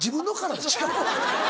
違うわ！